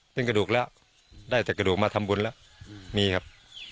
เป็นกระดูกแล้วได้แต่กระดูกมาทำบุญแล้วมีครับ